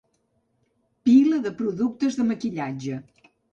Pila de productes de maquillatge.